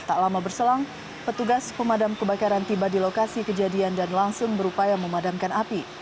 tak lama berselang petugas pemadam kebakaran tiba di lokasi kejadian dan langsung berupaya memadamkan api